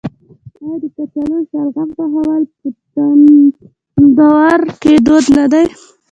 آیا د کچالو او شلغم پخول په تندور کې دود نه دی؟